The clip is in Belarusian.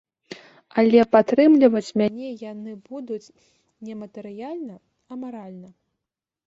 Але падтрымліваць мяне яны будуць не матэрыяльна, а маральна.